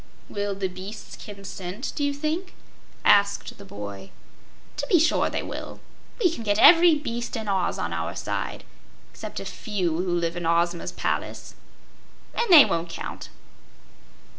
"Will the beasts consent, do you think?" asked the boy. "To be sure they will. We can get every beast in Oz on our side except a few who live in Ozma's palace, and they won't count."